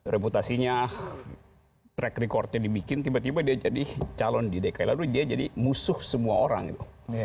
reputasinya track recordnya dibikin tiba tiba dia jadi calon di dki lalu dia jadi musuh semua orang gitu